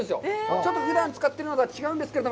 ちょっとふだん使っているのとは違うんですけど。